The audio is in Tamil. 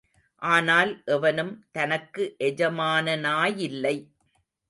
ஆனால் எவனும் தனக்கு எஜமானனாயில்லை.